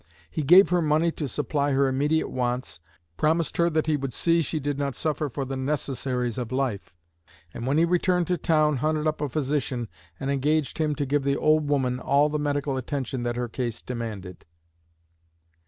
He gave her money to supply her immediate wants, promised her that he would see she did not suffer for the necessaries of life, and when he returned to town hunted up a physician and engaged him to give the old woman all the medical attention that her case demanded."